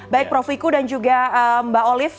baik prof wiku dan juga mbak olive